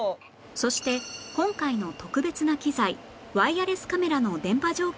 そして今回の特別な機材ワイヤレスカメラの電波状況も確認